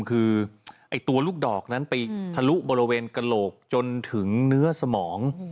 คือตัวลูกดอกนั้นไปทะลุบริเวณกระโหลกจนถึงเนื้อสมอง